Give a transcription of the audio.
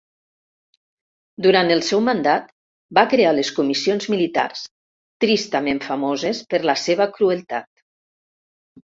Durant el seu mandat va crear les comissions militars, tristament famoses per la seva crueltat.